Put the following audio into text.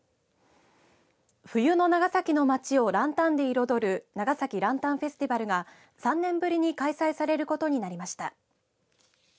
冬の長崎の街をランタンで彩る長崎ランタンフェスティバルが３年ぶりに開催されることになりました。